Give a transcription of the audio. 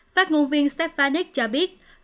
phát ngôn viên stefanet cho biết